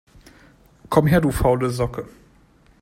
Komm her, du faule Socke!